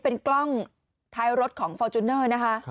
เป็นกล้องทายรถของฟอร์จุนเนอร์